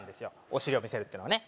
お尻を見せるっていうのはね